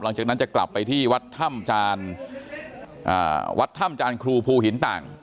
หลังจากนั้นจะกลับไปที่วัดถ้ำจานวัดถ้ำจานครูภูหินต่าง